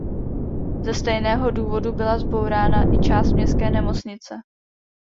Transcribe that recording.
Ze stejného důvodu byla zbourána i část dětské nemocnice.